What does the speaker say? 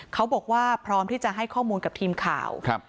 เขาบอกว่าพร้อมที่จะให้ข้อมูลกับทีมข่าว